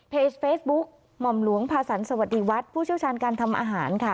เฟซบุ๊กหม่อมหลวงพาสันสวัสดีวัฒน์ผู้เชี่ยวชาญการทำอาหารค่ะ